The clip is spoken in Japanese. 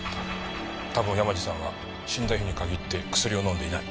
多分山路さんは死んだ日に限って薬を飲んでいない。